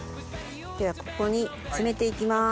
ではここに詰めていきます。